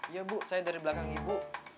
iya bu saya dari belakang ibu